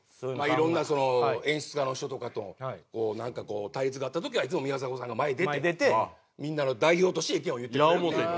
色んな演出家の人とかとなんかこう対立があった時はいつも宮迫さんが前出てみんなの代表として意見を言ってくれるっていう。